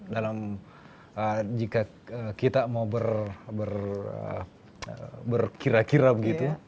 dalam jika kita mau berkira kira begitu